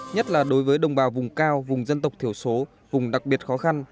nhất là đối với đồng bào vùng cao vùng dân tộc thiểu số vùng đặc biệt khó khăn